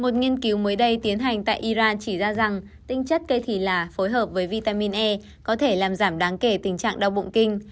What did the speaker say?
một nghiên cứu mới đây tiến hành tại iran chỉ ra rằng tinh chất cây thì là phối hợp với vitamin e có thể làm giảm đáng kể tình trạng đau bụng kinh